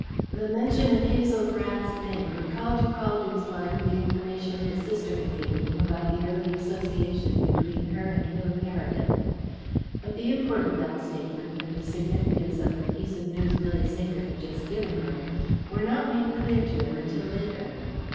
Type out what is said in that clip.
The mention of Hazel Rath's name recalled to Caldew's mind the information his sister had given him about the early association between her and Philip Heredith. But the import of that statement, and the significance of the piece of news Milly Saker had just given him, were not made clear to him until later.